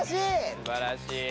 すばらしい。